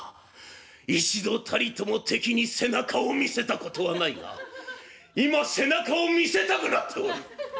一度たりとも敵に背中を見せたことはないが今背中を見せたくなっておる。